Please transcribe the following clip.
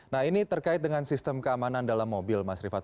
nah ini terkait dengan sistem keamanan dalam mobil mas rifat